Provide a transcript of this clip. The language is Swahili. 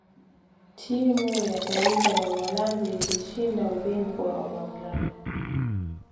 timu ya taifa ya uholanzi ilishinda ubingwa wa ulaya